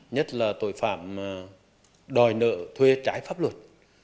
nhất là tội phạm đòi nợ thuê trái pháp luật